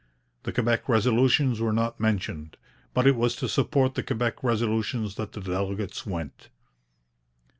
The Quebec Resolutions were not mentioned, but it was to support the Quebec Resolutions that the delegates went.